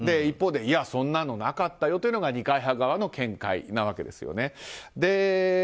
一方でそんなのなかったよというのが二階派側の見解な訳です。